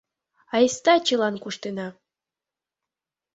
Айста чылан куштена.